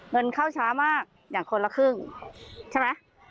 เงินเข้าช้ามากอย่างคนละครึ่งใช่ไหม